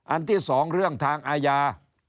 อันที่สองเรื่องทางอาญา